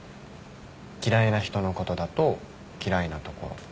嫌いな人のことだと嫌いなところ。